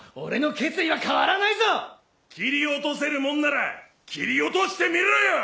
切り落とせるもんなら切り落としてみろよ！